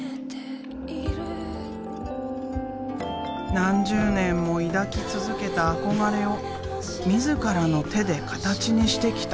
何十年も抱き続けた憧れを自らの手でカタチにしてきた。